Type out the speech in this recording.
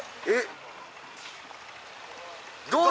えっ？